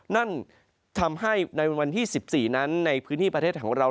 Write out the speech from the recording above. นั่นทำให้ในวันที่๑๔นั้นในพื้นที่ประเทศของเรา